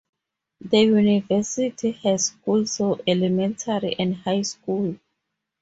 The university has schools for elementary and high school.